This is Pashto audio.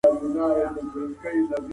جورج ریترز د ټولنپوهنې نظریات په ډلو وویشل.